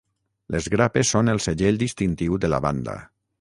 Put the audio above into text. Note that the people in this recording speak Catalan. Les grapes són el segell distintiu de la banda.